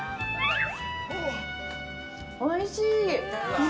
おいしい！